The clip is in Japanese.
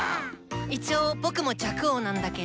一応僕も若王なんだけど。